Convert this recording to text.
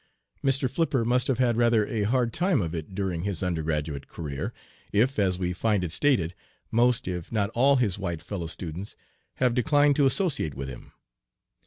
Mr. Flipper must have had rather a hard time of it during his undergraduate career, if, as we find it stated, most if not all his white fellow students have declined to associate with him.